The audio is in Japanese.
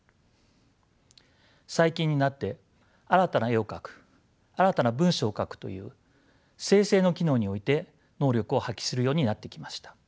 最近になって新たな絵を描く新たな文章を書くという生成の機能において能力を発揮するようになってきました。